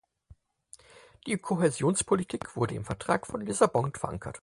Die Kohäsionspolitik wurde im Vertrag von Lissabon verankert.